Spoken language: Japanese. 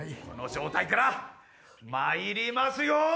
この状態からまいりますよ。